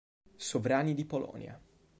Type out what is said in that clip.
Sovrani di Polonia